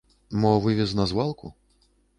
Мо вывез на звалку?